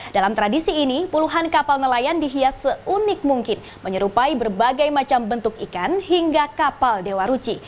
dalam tradisi ini puluhan kapal nelayan dihias seunik mungkin menyerupai berbagai macam bentuk ikan hingga kapal dewa ruci